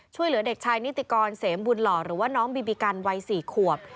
ช่วยเหลือเด็กชายนิติกรเสมบุญหล่อหรือว่าน้องบีบีกันวัย๔ขวบ